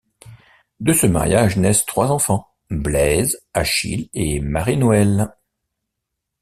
De ce mariage naissent trois enfants, Blaise, Achille et Marie-Noëlle.